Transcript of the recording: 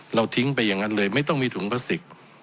เราทิ้งไปอย่างนั้นเลยไม่ต้องมีถุงพลาสติก